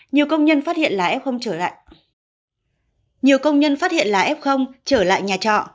nhiều công nhân phát hiện là f trở lại nhà trọ